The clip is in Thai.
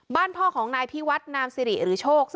บ้านพ่อของนายพี่วัดนามซิริย์หรือโช๊ก